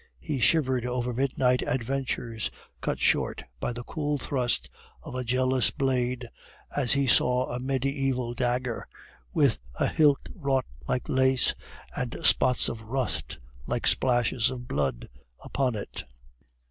He shivered over midnight adventures, cut short by the cool thrust of a jealous blade, as he saw a mediaeval dagger with a hilt wrought like lace, and spots of rust like splashes of blood upon it.